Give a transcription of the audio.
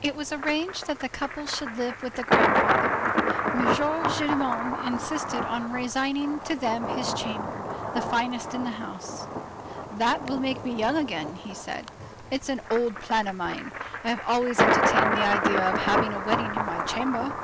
It was arranged that the couple should live with the grandfather—M. Gillenormand insisted on resigning to them his chamber, the finest in the house. "That will make me young again," he said. "It's an old plan of mine. I have always entertained the idea of having a wedding in my chamber."